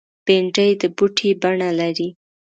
بېنډۍ د بوټي بڼه لري